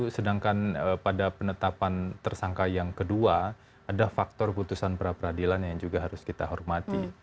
sedangkan pada penetapan tersangka yang kedua ada faktor putusan pra peradilan yang juga harus kita hormati